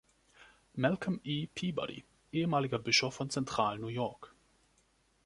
Malcolm E. Peabody, ehemaliger Bischof von Zentral-New York.